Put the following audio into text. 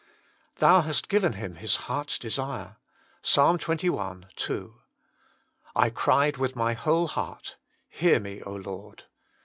"Thou hast given him his heart s desire." Ps. xxi. 2. " I cried with my whole heart ; hear me, Lord.